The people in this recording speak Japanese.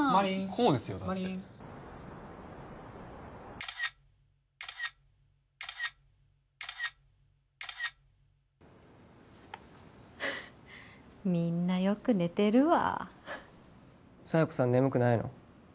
こうですよだってフフッみんなよく寝てるわ佐弥子さん眠くないの？